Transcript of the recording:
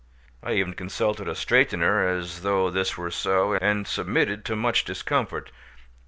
I even consulted a straightener as though this were so, and submitted to much discomfort.